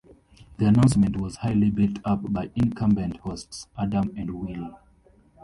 The announcement was highly built up by incumbent hosts Adam and Wil.